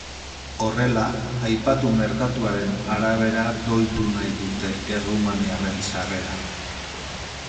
Horrela, aipatu merkatuaren arabera doitu nahi dute errumaniarren sarrera.